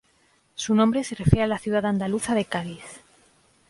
Su nombre se refiere a la ciudad andaluza de Cádiz.